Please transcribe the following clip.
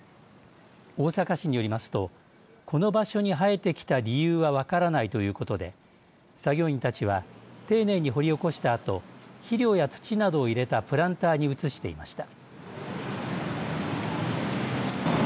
大阪市によりますとこの場所に生えてきた理由は分からないということで作業員たちは丁寧に掘り起こしたあと肥料や土などを入れたプランターに移していました。